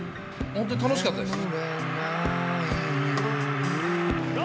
本当に楽しかったです。